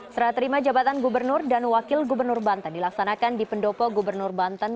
serah terima jabatan gubernur dan wakil gubernur banten dilaksanakan di pendopo gubernur banten